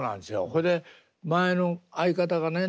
ほいで前の相方がね